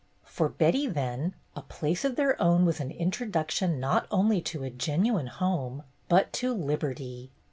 For Betty, then, a place of their own was an introduction not only to a genuine home, but to liberty.